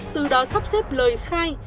từ đó sắp xếp lời khai